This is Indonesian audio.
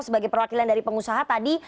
sebagai perwakilan dari pengusaha tadi